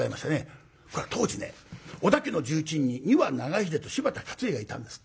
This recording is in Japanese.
当時ね織田家の重鎮に丹羽長秀と柴田勝家がいたんですって。